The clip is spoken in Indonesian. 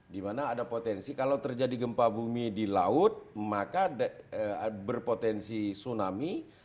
di mana ada potensi kalau terjadi gempa bumi di laut maka berpotensi tsunami